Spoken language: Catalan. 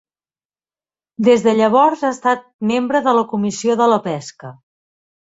Des de llavors ha estat membre de la Comissió de la pesca.